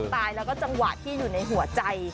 ตายแล้วก็จังหวะที่อยู่ในหัวใจ